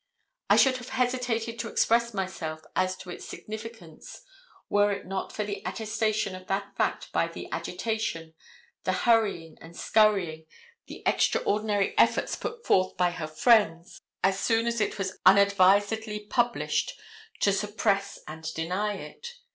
I should have hesitated to express myself as to its significance were it not for the attestation of that fact by the agitation, the hurrying and scurrying, the extraordinary efforts put forth by her friends as soon as it was unadvisedly published to suppress and deny it.